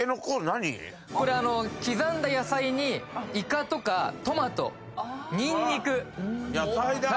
何これあの刻んだ野菜にイカとかトマトニンニク野菜だ・